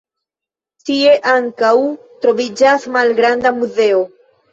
Tie ankaŭ troviĝas malgranda muzeo.